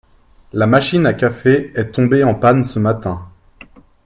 La machine à café est tombée en panne ce matin